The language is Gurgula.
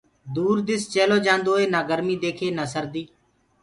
دور دِس چيلو جآندوئي نآ گرميٚ ديکي نآ سرديٚ